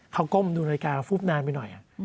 เขาก้มดูนาฬิกาฟุ๊บนานไปหน่อย